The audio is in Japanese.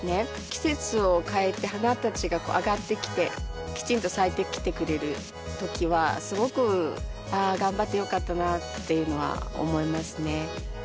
季節を変えて花達が上がってきてきちんと咲いてきてくれるときはすごくあ頑張ってよかったなっていうのは思いますね